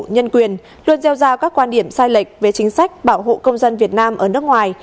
nhân quyền luôn gieo ra các quan điểm sai lệch về chính sách bảo hộ công dân việt nam ở nước ngoài